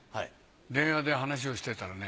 電話で話をしてたらね。